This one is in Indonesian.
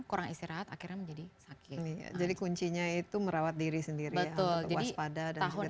kurang istirahat akhirnya menjadi sakit jadi kuncinya itu merawat diri sendiri ya